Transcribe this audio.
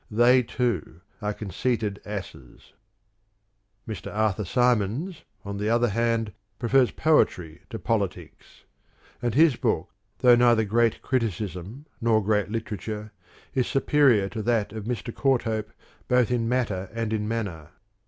They, too, are conceited asses. Mr. Arthur Symons, onthe other hand, prefers poetry to politics; and his book, though neither great criticism nor great literature, is superior to that of Mr. Courthope both in matter and in manner.